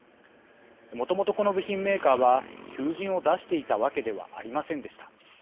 もともとこの部品メーカーは求人を出していたわけではありませんでした。